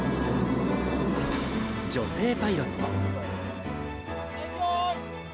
女性パイロット。